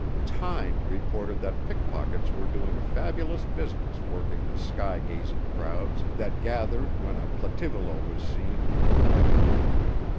Time reported that pickpockets were doing a fabulous business working the sky gazing crowds that gathered when a plativolo was seen.